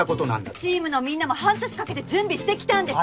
チームのみんなも半年かけて準備してきたんです！